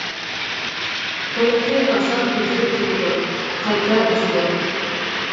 قۇيرۇقى ئاسان ئۈزۈلۈپ كېتىدۇ، قايتا ئۆسىدۇ.